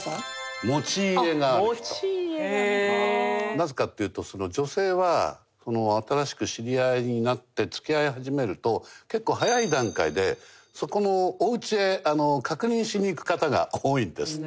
なぜかっていうと女性は新しく知り合いになって付き合い始めると結構早い段階でそこのお家へ確認しにいく方が多いんですって。